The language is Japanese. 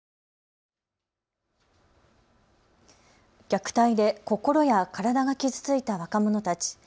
虐待で心や体が傷ついた若者たち。